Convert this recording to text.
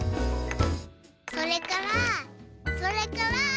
それからそれから。